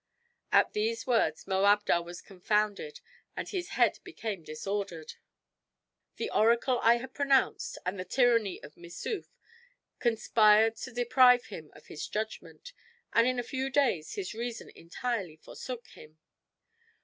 At these words Moabdar was confounded and his head became disordered. The oracle I had pronounced, and the tyranny of Missouf, conspired to deprive him of his judgment, and in a few days his reason entirely forsook him.